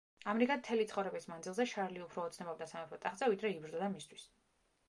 ამრიგად მთელი ცხოვრების მანძილზე შარლი უფრო ოცნებობდა სამეფო ტახტზე, ვიდრე იბრძოდა მისთვის.